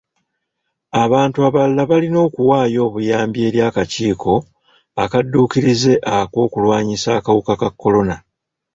Abantu abalala balina okuwaayo obuyambi eri akakiiko akadduukirize ak'okulwanyisa akawuka ka kolona.